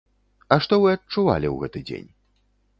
А што вы адчувалі ў гэты дзень?